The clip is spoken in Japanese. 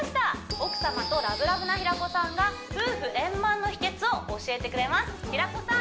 奥様とラブラブな平子さんが夫婦円満の秘訣を教えてくれます平子さん